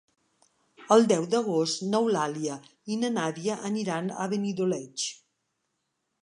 El deu d'agost n'Eulàlia i na Nàdia aniran a Benidoleig.